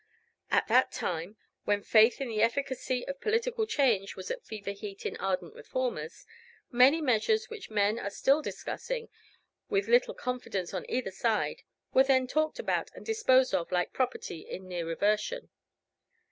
At that time, when faith in the efficacy of political change was at fever heat in ardent Reformers, many measures which men are still discussing with little confidence on either side, were then talked about and disposed of like property in near reversion.